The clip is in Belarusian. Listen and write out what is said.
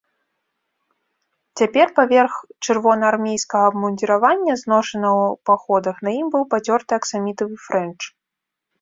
Цяпер паверх чырвонаармейскага абмундзіравання, зношанага ў паходах, на ім быў пацёрты аксамітавы фрэнч.